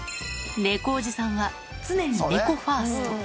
猫おじさんは、常に猫ファースト。